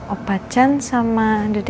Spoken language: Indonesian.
opa chan sama dd keisha